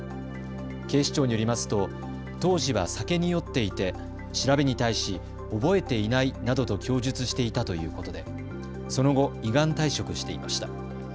警視庁によりますと当時は酒に酔っていて調べに対し覚えていないなどと供述していたということでその後、依願退職していました。